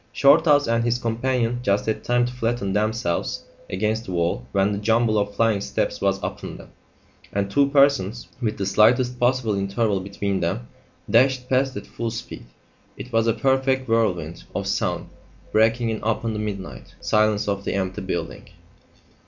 Shorthouse and his companion just had time to flatten themselves against the wall when the jumble of flying steps was upon them, and two persons, with the slightest possible interval between them, dashed past at full speed. It was a perfect whirlwind of sound breaking in upon the midnight silence of the empty building.